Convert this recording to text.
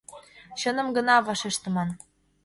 «Чыным гына!» — вашештышым.